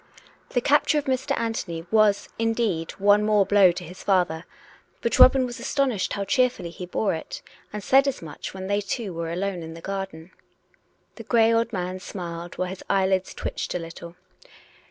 The capture of Mr. Anthony was, indeed, one more blow to his father; but Robin was astonished how cheerfully he bore it; and said as much when they two were alone in the garden. The grey old man smiled, while his eyelids twitched a little.